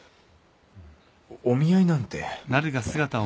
お見合いなんて。